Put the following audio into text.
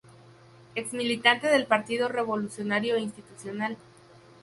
Ex militante del Partido Revolucionario Institucional.